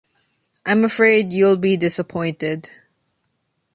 I'm afraid you'll be disappointed.